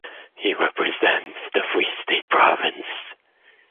He represents the Free State Province.